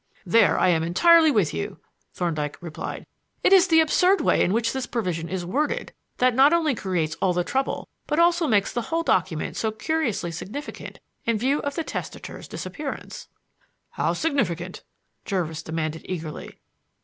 "There I am entirely with you," Thorndyke replied. "It is the absurd way in which this provision is worded that not only creates all the trouble but also makes the whole document so curiously significant in view of the testator's disappearance." "How significant?" Jervis demanded eagerly.